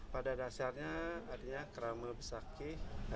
pada dasarnya kita harus berpikir kita harus berpikir kita harus berpikir kita harus berpikir